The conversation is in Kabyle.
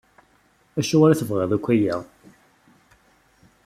Acuɣer i tebɣiḍ akk aya?